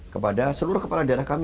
kepada seluruh kepala daerah kami